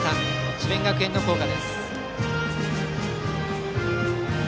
智弁学園の校歌。